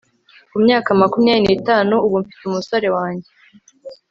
Ku myaka makumyabiri nitanu ubu mfite umusore wanjye